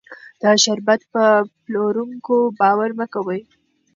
د شربت په پلورونکو باور مه کوئ.